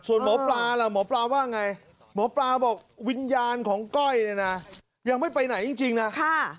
ส่วนหมอปลาล่ะหมอปลาว่าไงหมอปลาบอกวิญญาณของก้อยเนี่ยนะยังไม่ไปไหนจริงนะ